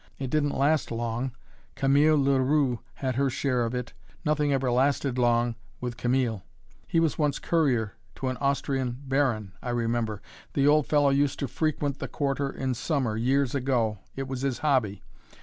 It didn't last long; Camille Leroux had her share of it nothing ever lasted long with Camille. He was once courrier to an Austrian Baron, I remember. The old fellow used to frequent the Quarter in summer, years ago it was his hobby.